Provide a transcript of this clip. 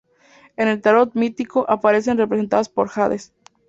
En el Tarot Mítico aparece representada por Hades.